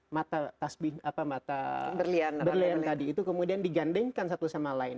mata berlian tadi itu kemudian digandengkan satu sama lain